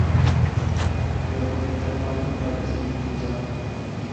Miałbym jednak małą uwagę z tym związaną